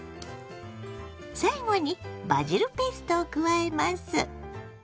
最後にバジルペーストを加えます。